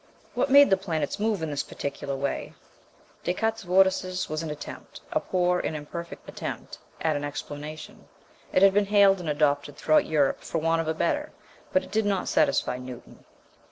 What made the planets move in this particular way? Descartes's vortices was an attempt, a poor and imperfect attempt, at an explanation. It had been hailed and adopted throughout Europe for want of a better, but it did not satisfy Newton.